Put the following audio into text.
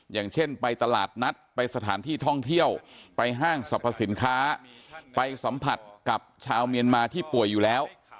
อย่างเช่นไปตลาดนัดไปสถานที่ท่องเที่ยวไปห้างสรรพสินค้าไปสัมผัสกับชาวเมียนมาที่ป่วยอยู่แล้ว